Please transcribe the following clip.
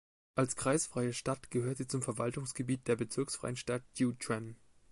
Als kreisfreie Stadt gehört sie zum Verwaltungsgebiet der bezirksfreien Stadt Jiuquan.